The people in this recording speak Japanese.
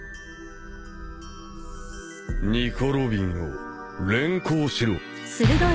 ニコ・ロビンを連行しろ。